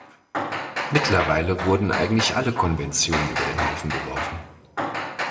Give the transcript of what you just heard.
Mittlerweile wurden eigentlich alle Konventionen über den Haufen geworfen.